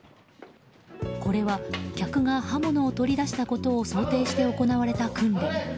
これは、客が刃物を取り出したことを想定して行われた訓練。